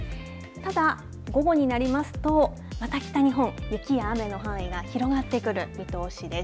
ただ、午後になりますと、また北日本、雪や雨の範囲が広がってくる見通しです。